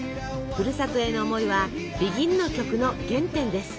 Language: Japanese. ふるさとへの思いはＢＥＧＩＮの曲の原点です。